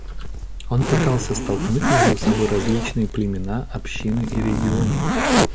Он пытался столкнуть между собой различные племена, общины и регионы.